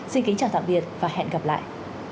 xin kính chào tạm biệt và hẹn gặp lại